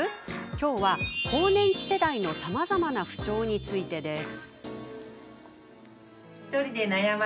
今日は更年期世代のさまざまな不調についてです。